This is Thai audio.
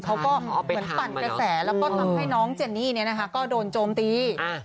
เขาก็เหมือนปั่นกระแสแล้วก็ทำให้น้องเจนนี่โดนโจมตี